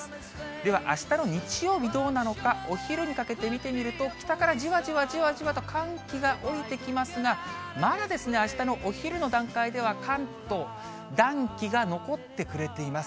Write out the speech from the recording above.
では、あしたの日曜日、どうなのか、お昼にかけて見てみると、北からじわじわじわじわと、寒気が下りてきますが、まだあしたのお昼の段階では、関東、暖気が残ってくれています。